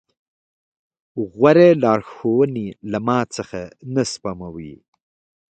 غورې لارښوونې له ما څخه نه سپموي.